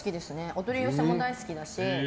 お取り寄せも大好きだし。